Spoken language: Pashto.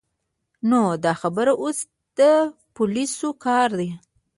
نو دا خبره اوس د پولیسو کار دی.